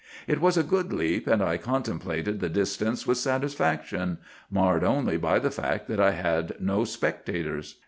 It was a good leap, and I contemplated the distance with satisfaction, marred only by the fact that I had no spectators.